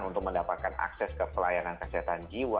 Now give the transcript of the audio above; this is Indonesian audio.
untuk mendapatkan akses ke pelayanan kesehatan jiwa